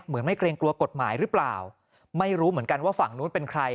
ไม่เกรงกลัวกฎหมายหรือเปล่าไม่รู้เหมือนกันว่าฝั่งนู้นเป็นใคร